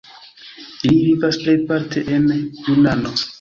Ili vivas plejparte en Junano.